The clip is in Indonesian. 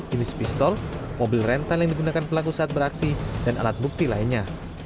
jenis pistol mobil rental yang digunakan pelaku saat beraksi dan alat bukti lainnya